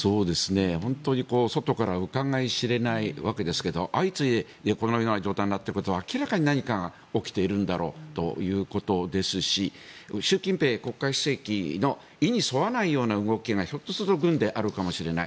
本当に、外からうかがい知れないわけですけど相次いでこのような状態になっていることは明らかに何かが起きているんだろうということですし習近平国家主席の意に沿わないような動きがひょっとすると軍であるかもしれない。